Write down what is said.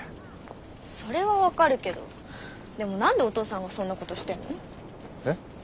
それは分かるけどでも何でお父さんがそんなことしてんの？